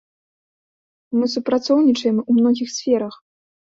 Мы супрацоўнічаем ў многіх сферах.